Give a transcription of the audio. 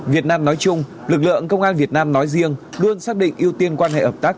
việt nam nói chung lực lượng công an việt nam nói riêng luôn xác định ưu tiên quan hệ hợp tác